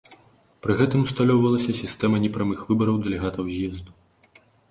Пры гэтым усталёўвалася сістэма непрамых выбараў дэлегатаў з'езду.